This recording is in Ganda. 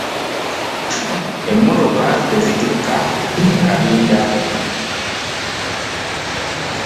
Emmotoka tezitikka kabinda.